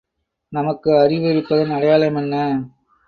நமக்கு அறிவு இருப்பதன் அடையாளம் என்ன?